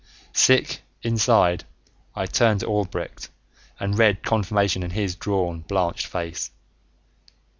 Sick inside, I turned to Albrecht and read confirmation in his drawn, blanched face.